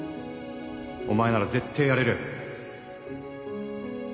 お前なら絶対やれる